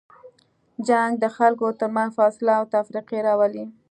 جنګ د خلکو تر منځ فاصله او تفرقې راولي.